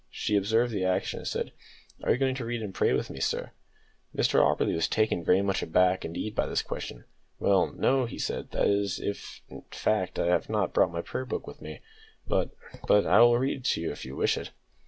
She observed the action, and said "Are you going to read and pray with me, sir?" Mr Auberly was taken very much aback indeed by this question. "Well no," said he, "that is if fact, I have not brought my prayer book with me; but but I will read to you if you wish it."